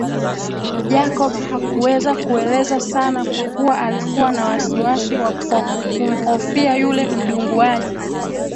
Jacob hakuweza kueleza sana kwa kuwa alikuwa na wasiwasi kwa kumhofia yule mdunguaji